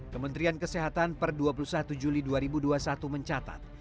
kementerian kesehatan per dua puluh satu juli dua ribu dua puluh satu mencatat